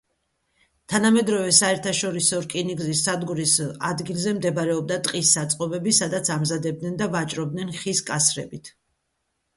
თანამედროვე საერთაშორისო რკინიგზის სადგურის ადგილზე მდებარეობდა ტყის საწყობები, სადაც ამზადებდნენ და ვაჭრობდნენ ხის კასრებით.